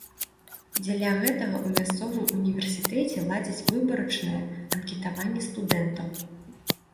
Дзеля гэтага ў мясцовым універсітэце ладзяць выбарачнае анкетаванне студэнтаў.